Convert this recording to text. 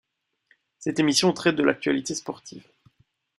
Cette émission traite de l'actualité sportive.